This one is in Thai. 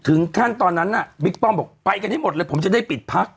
ขั้นตอนตอนนั้นน่ะบิ๊กป้อมบอกไปกันให้หมดเลยผมจะได้ปิดพัก